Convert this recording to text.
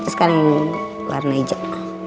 sekarang warna hijau